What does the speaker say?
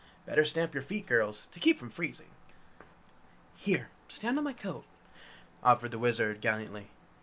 "Better stamp your feet, girls, to keep from freezing!" "Here, stand on my coat," offered the Wizard, gallantly.